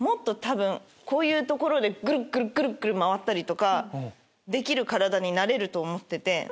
こういう所でぐるぐるぐるぐる回ったりできる体になれると思ってて。